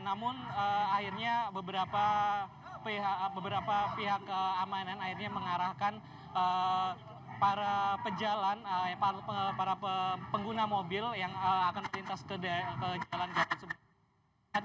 namun akhirnya beberapa pihak keamanan akhirnya mengarahkan para pejalan para pengguna mobil yang akan melintas ke jalan gatot sendiri